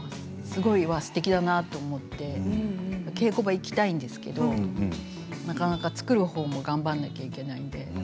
すごいすてきだなと思って稽古場に行きたいんですけどなかなか作る方も頑張らなくてはいけないので。